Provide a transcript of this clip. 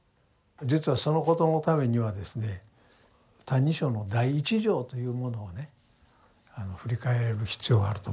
実はそのことのためにはですね「歎異抄」の第一条というものをね振り返る必要があると思うんですね。